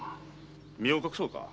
身を隠そうか？